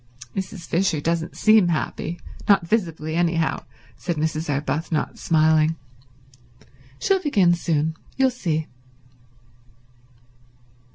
"Mrs. Fisher doesn't seem happy—not visibly, anyhow," said Mrs. Arbuthnot, smiling. "She'll begin soon, you'll see."